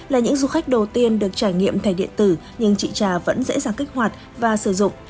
là những du khách đầu tiên được trải nghiệm thẻ điện tử nhưng chị trà vẫn dễ dàng kích hoạt và sử dụng